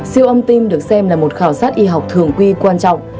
siêu âm tim được xem là một khảo sát y học thường quy quan trọng